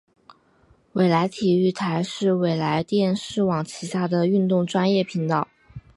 纬来体育台是纬来电视网旗下的运动专业频道。